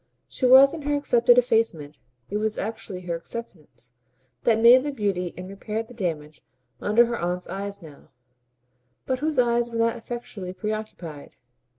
She was, in her accepted effacement it was actually her acceptance that made the beauty and repaired the damage under her aunt's eyes now; but whose eyes were not effectually preoccupied?